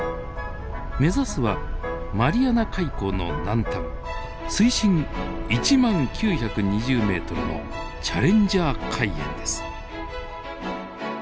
目指すはマリアナ海溝の南端水深１万９２０ｍのチャレンジャー海淵です。